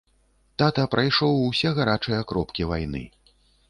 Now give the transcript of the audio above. Тата прайшоў усе гарачыя кропкі вайны.